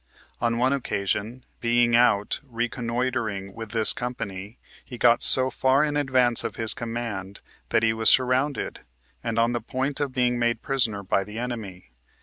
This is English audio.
On one occasion, being out reconnoitering with this company, he got so far in advance of his command that he was sur rounded, and on the point of being made prisoner by the enemy.